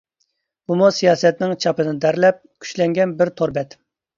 بۇمۇ سىياسەتنىڭ چاپىنىدا تەرلەپ، كۈچلەنگەن بىر تور بەت.